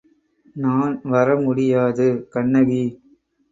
நான் வர முடியாது, கண்ணகி.